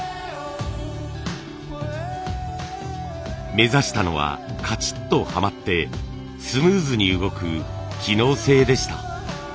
目指したのはカチッとはまってスムーズに動く機能性でした。